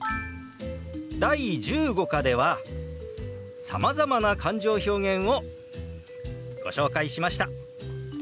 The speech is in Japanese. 第１５課ではさまざまな感情表現をご紹介しました。